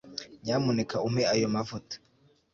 nyamuneka umpe ayo mavuta